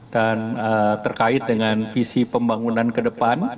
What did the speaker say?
dan terkait dengan visi pembangunan ke depan